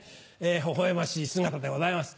ほほ笑ましい姿でございます。